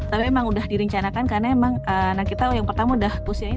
tapi memang sudah direncanakan karena memang anak kita yang pertama sudah usianya